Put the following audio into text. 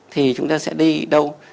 thì chúng ta sẽ đi đâu